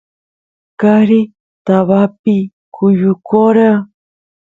qari tabapi kuyukora